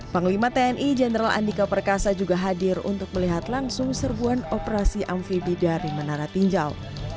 panglima tni jenderal andika perkasa juga hadir untuk melihat langsung serbuan operasi amfibi dari menara tinjau